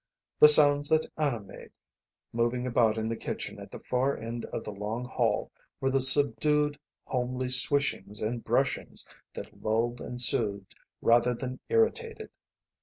The sounds that Anna made, moving about in the kitchen at the far end of the long hall, were the subdued homely swishings and brushings that lulled and soothed rather than irritated.